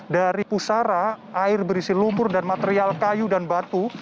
dari pusara air berisi lumpur dan material kayu dan batu